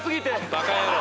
バカ野郎。